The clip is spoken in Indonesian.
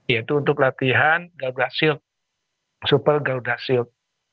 yaitu untuk latihan gauda silk super gauda silk